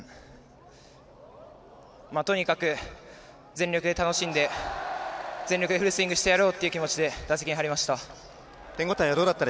とにかく全力で楽しんで全力でフルスイングしてやろうという気持ちで打席に入りました。